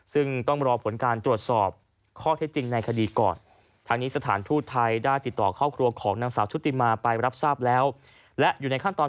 ซึ่งต้องรอผลการตรวจสอบข้อเท็จจริงในคดีก่อน